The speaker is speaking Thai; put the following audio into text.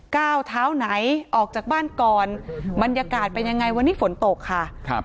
ก้าวเท้าไหนออกจากบ้านก่อนบรรยากาศเป็นยังไงวันนี้ฝนตกค่ะครับ